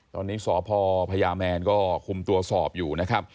ตอนนี้ศพพญแม่ก็คุมตัวสอบอยู่